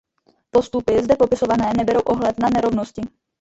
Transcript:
Postupy zde popisované neberou ohled na nerovnosti.